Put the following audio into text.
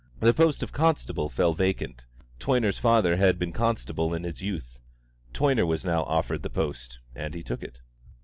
The post of constable fell vacant; Toyner's father had been constable in his youth; Toyner was offered the post now, and he took it.